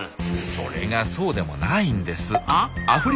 それがそうでもないんです。は？